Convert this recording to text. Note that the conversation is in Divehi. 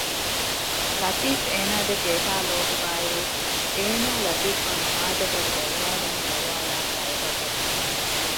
ލަތީފް އޭނާ ދެކެ އެހާ ލޯބިވާއިރުވެސް އޭނާ ލަތީފްއަށް ހާދަބޮޑު އޮޅުވާލުމެއް އޮޅުވާލާފައި އެބަވެ